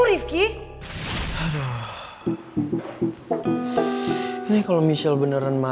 di video selanjutnya